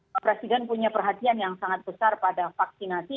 pak presiden punya perhatian yang sangat besar pada vaksinasi